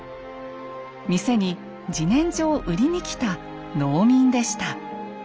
店に自然薯を売りに来た農民でした。